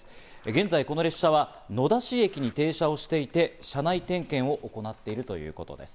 現在、この列車は野田市駅に停車をしていて車内点検を行っているということです。